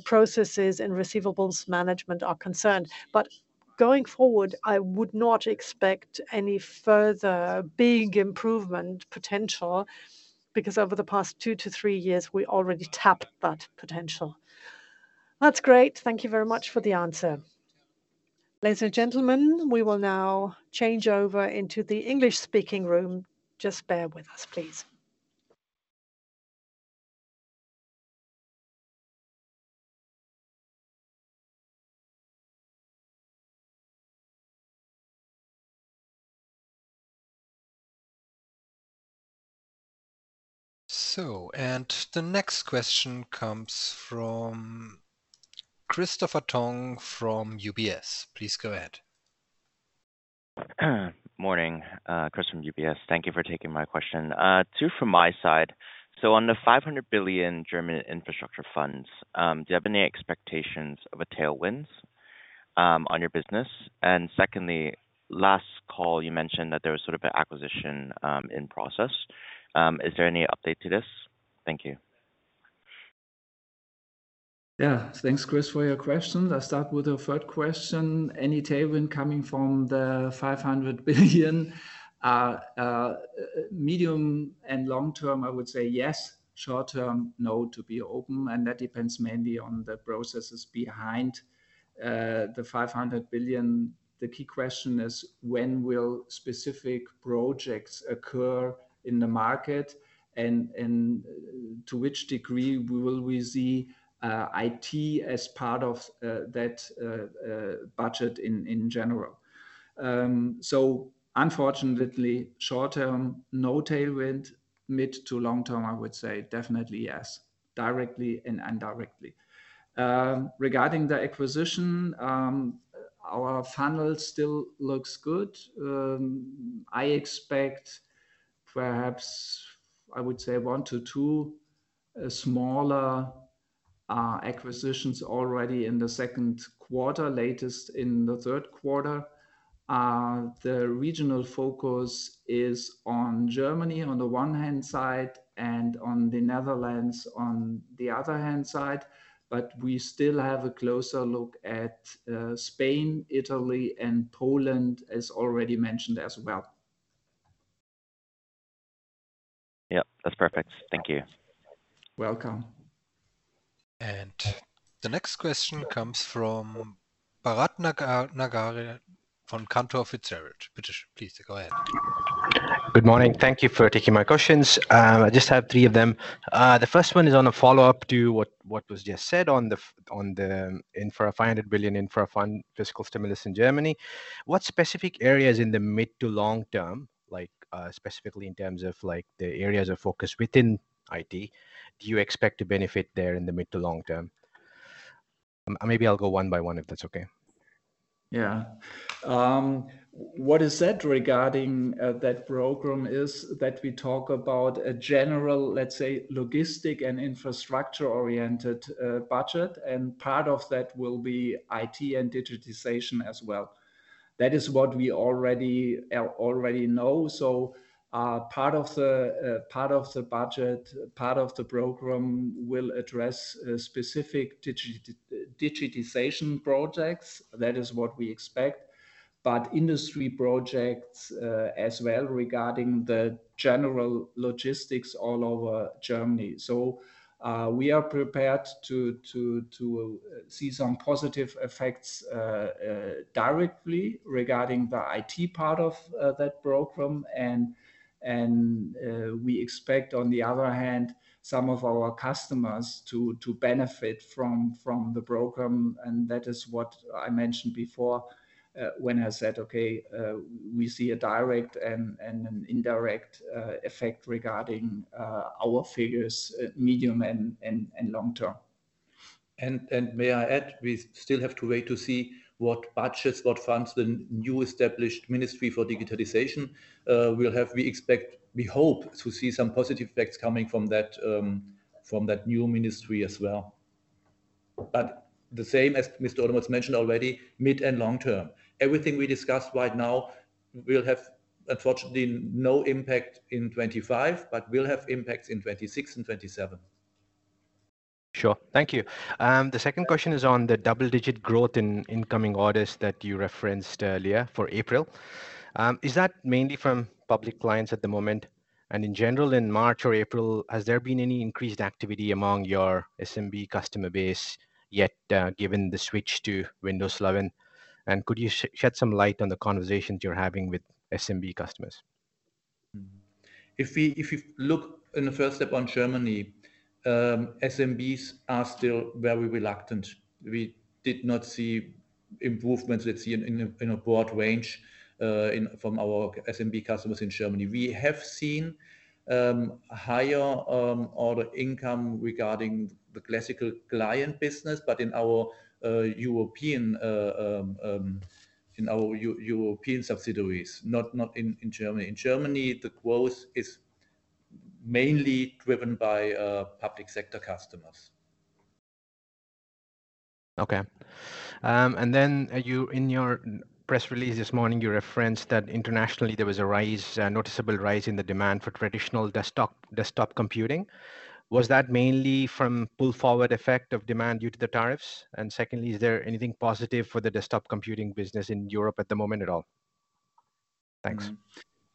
processes and receivables management are concerned. But going forward, I would not expect any further big improvement potential because over the past two to three years, we already tapped that potential. That's great. Thank you very much for the answer. Ladies and gentlemen, we will now change over into the English-speaking room. Just bear with us, please. The next question comes from Christopher Tong from UBS. Please go ahead. Morning, Chris from UBS. Thank you for taking my question. Two from my side. On the 500 billion German infrastructure funds, do you have any expectations of a tailwind on your business? Secondly, last call, you mentioned that there was sort of an acquisition in process. Is there any update to this? Thank you. Yeah, thanks, Chris, for your question. I'll start with the third question. Any tailwind coming from the 500 billion? Medium and long term, I would say yes. Short term, no, to be open. That depends mainly on the processes behind the €500 billion. The key question is, when will specific projects occur in the market and to which degree will we see IT as part of that budget in general? Unfortunately, short term, no tailwind. Mid to long term, I would say definitely yes, directly and indirectly. Regarding the acquisition, our funnel still looks good. I expect perhaps, I would say, one to two smaller acquisitions already in the second quarter, latest in the third quarter. The regional focus is on Germany on the one hand side and on the Netherlands on the other hand side. We still have a closer look at Spain, Italy, and Poland, as already mentioned as well. Yep, that's perfect. Thank you. Welcome. The next question comes from Barat Nagare from Kanto Officerage. Please go ahead. Good morning. Thank you for taking my questions. I just have three of them. The first one is on a follow-up to what was just said on the €500 billion infra fund fiscal stimulus in Germany. What specific areas in the mid to long term, specifically in terms of the areas of focus within IT, do you expect to benefit there in the mid to long term? Maybe I'll go one by one if that's okay. Yeah. What is said regarding that program is that we talk about a general, let's say, logistic and infrastructure-oriented budget. Part of that will be IT and digitization as well. That is what we already know. Part of the budget, part of the program will address specific digitization projects. That is what we expect. Industry projects as well regarding the general logistics all over Germany. We are prepared to see some positive effects directly regarding the IT part of that program. We expect, on the other hand, some of our customers to benefit from the program. That is what I mentioned before when I said, okay, we see a direct and an indirect effect regarding our figures, medium and long term. May I add, we still have to wait to see what budgets, what funds the newly established Ministry for Digitalization will have. We expect, we hope to see some positive effects coming from that new ministry as well. The same, as Mr. Olemotz mentioned already, mid and long term. Everything we discussed right now will have, unfortunately, no impact in 2025, but will have impacts in 2026 and 2027. Sure. Thank you. The second question is on the double-digit growth in incoming orders that you referenced earlier for April. Is that mainly from public clients at the moment? In general, in March or April, has there been any increased activity among your SMB customer base yet given the switch to Windows 11? Could you shed some light on the conversations you're having with SMB customers? If you look in the first step on Germany, SMBs are still very reluctant. We did not see improvements, let's see, in a broad range from our SMB customers in Germany. We have seen higher order income regarding the classical client business, but in our European subsidiaries, not in Germany. In Germany, the growth is mainly driven by public sector customers. Okay. In your press release this morning, you referenced that internationally, there was a noticeable rise in the demand for traditional desktop computing. Was that mainly from pull-forward effect of demand due to the tariffs? Secondly, is there anything positive for the desktop computing business in Europe at the moment at all? Thanks.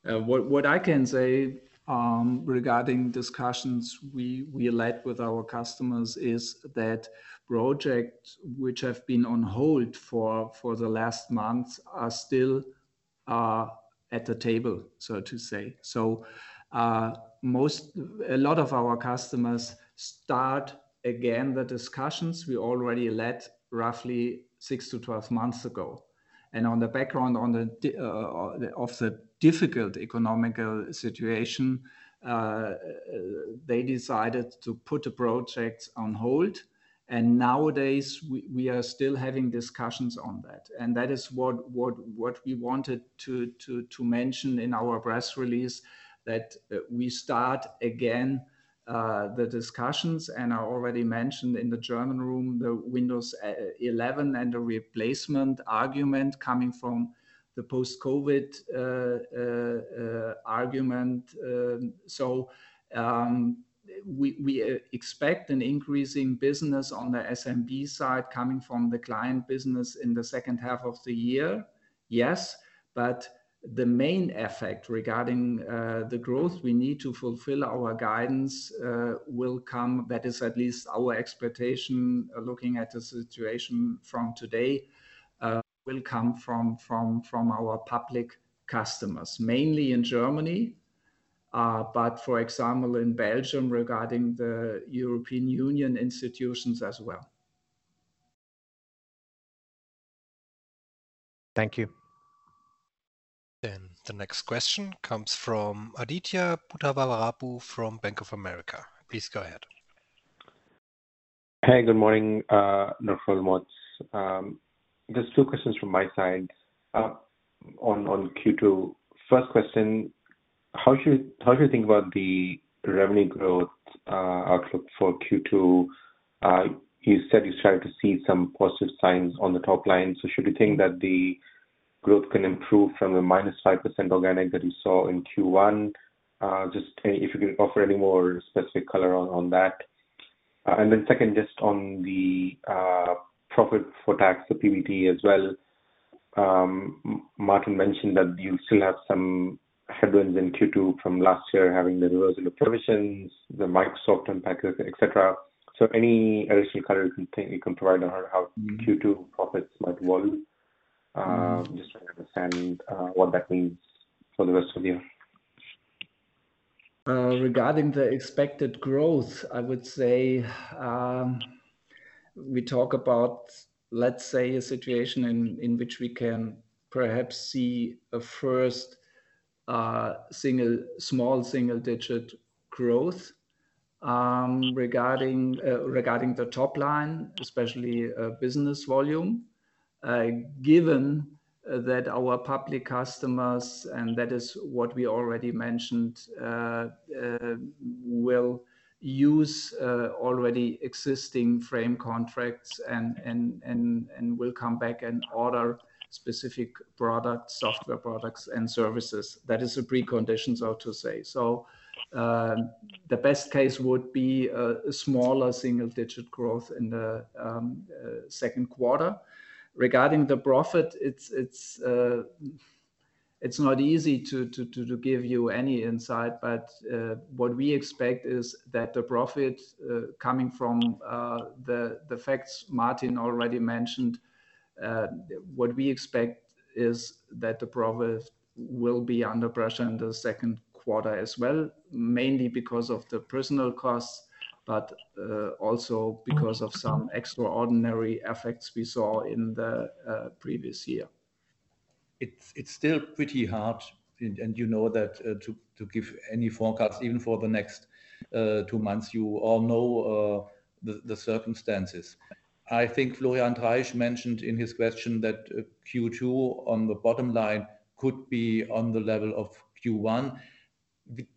What I can say regarding discussions we led with our customers is that projects which have been on hold for the last months are still at the table, so to say. A lot of our customers start again the discussions we already led roughly 6 to 12 months ago. On the background of the difficult economical situation, they decided to put the projects on hold. Nowadays, we are still having discussions on that. That is what we wanted to mention in our press release, that we start again the discussions. I already mentioned in the German room, the Windows 11 and the replacement argument coming from the post-COVID argument. We expect an increasing business on the SMB side coming from the client business in the second half of the year, yes. The main effect regarding the growth we need to fulfill our guidance will come, that is at least our expectation looking at the situation from today, from our public customers, mainly in Germany, but for example, in Belgium regarding the European Union institutions as well. Thank you. The next question comes from Aditya Buddhavarapu from Bank of America. Please go ahead. Hey, good morning, Mr. Olemotz. Just two questions from my side on Q2. First question, how should you think about the revenue growth outlook for Q2? You said you started to see some positive signs on the top line. Should you think that the growth can improve from the -5% organic that you saw in Q1? Just if you could offer any more specific color on that. Then second, just on the profit before tax, the PBT as well. Martin mentioned that you still have some headwinds in Q2 from last year having the reversal of provisions, the Microsoft unpackage, etc. Any additional color you can provide on how Q2 profits might evolve just to understand what that means for the rest of the year? Regarding the expected growth, I would say we talk about, let's say, a situation in which we can perhaps see a first small single-digit growth regarding the top line, especially business volume, given that our public customers, and that is what we already mentioned, will use already existing framework contracts and will come back and order specific products, software products, and services. That is a precondition, so to say. The best case would be a smaller single-digit growth in the second quarter. Regarding the profit, it's not easy to give you any insight, but what we expect is that the profit coming from the facts Martin already mentioned, what we expect is that the profit will be under pressure in the second quarter as well, mainly because of the personnel costs, but also because of some extraordinary effects we saw in the previous year. It's still pretty hard, and you know that, to give any forecast, even for the next two months, you all know the circumstances. I think Florian Treisch mentioned in his question that Q2 on the bottom line could be on the level of Q1.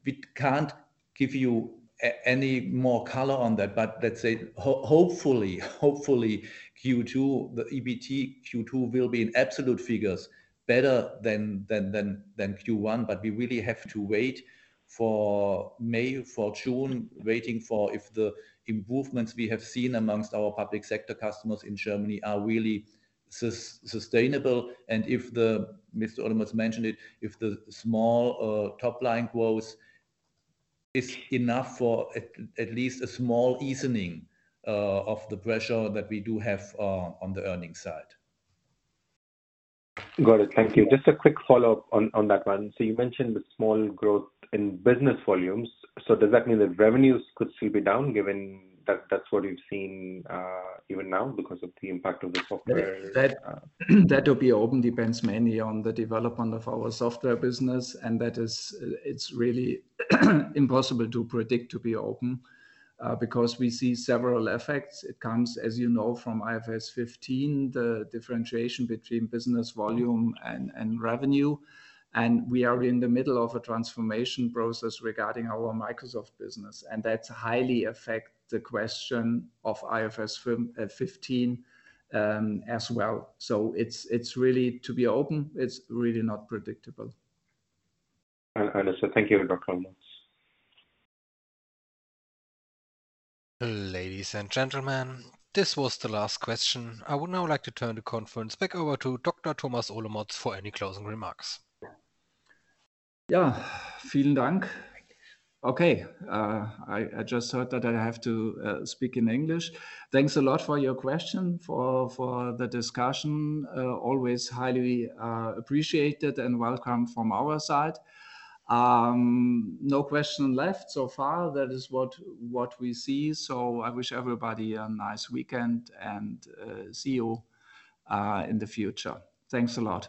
We can't give you any more color on that, but let's say hopefully, hopefully, the EBT Q2 will be in absolute figures better than Q1. We really have to wait for May, for June, waiting for if the improvements we have seen amongst our public sector customers in Germany are really sustainable. If, as Mr. Olemotz mentioned, the small top line growth is enough for at least a small easing of the pressure that we do have on the earnings side. Got it. Thank you. Just a quick follow-up on that one. You mentioned the small growth in business volumes. Does that mean that revenues could still be down given that that is what you have seen even now because of the impact of the software? That would be open, depends mainly on the development of our software business. That is, it is really impossible to predict to be open because we see several effects. It comes, as you know, from IFRS 15, the differentiation between business volume and revenue. We are in the middle of a transformation process regarding our Microsoft business. That has highly affected the question of IFRS 15 as well. To be open, it is really not predictable. Thank you, Dr. Olemotz. Ladies and gentlemen, this was the last question. I would now like to turn the conference back over to Dr. Thomas Olemotz for any closing remarks. Yeah, vielen Dank. Okay, I just heard that I have to speak in English. Thanks a lot for your question, for the discussion. Always highly appreciated and welcome from our side. No question left so far. That is what we see. I wish everybody a nice weekend and see you in the future. Thanks a lot.